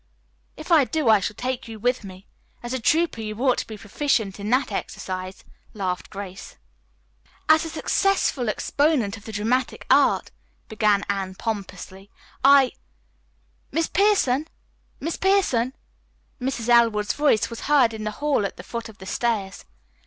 "If I do, I shall take you with me. As a trouper you ought to be proficient in that exercise," laughed Grace. "As a successful exponent of the dramatic art," began Anne pompously, "I " "Miss Pierson! Miss Pierson!" Mrs. Elwood's voice was heard in the hall at the foot of the stairs.